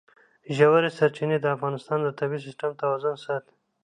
ژورې سرچینې د افغانستان د طبعي سیسټم توازن ساتي.